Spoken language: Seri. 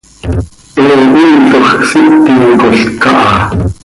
He hinloj síticol caha.